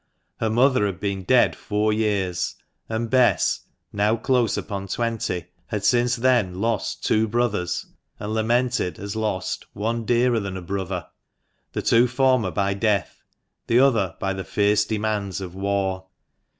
Her mother had been dead four years, and Bess, now close upon twenty, had since then lost two brothers, and lamented as lost one dearer than a brother — the two former by death, the other by the fierce demands of war.